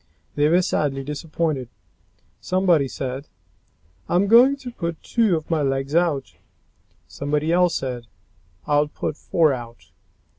They were sadly disappointed. Somebody said, "I'm going to put two of my legs out!" Somebody else said, "I'll put four out!"